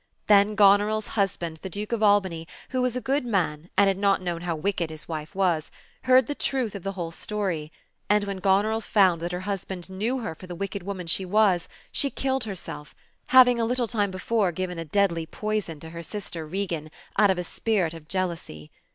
Then Goneril's husband, the Duke of Albany, who was a good man, and had not known how wicked his wife was, heard the truth of the whole story; and when Goneril found that her husband knew her for the wicked woman she was, she killed her self, having a little time before given a deadly poison to her sister, Regan, out of a spirit of jealousy.